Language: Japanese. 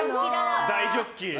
大ジョッキ。